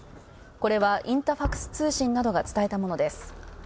これは、インタファクス通信などが伝えたものです。